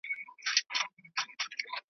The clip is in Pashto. چي پر غولي د ماتم ووايی ساندي .